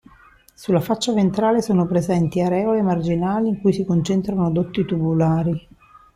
Sulla faccia ventrale sono presenti areole marginali in cui si concentrano dotti tubulari.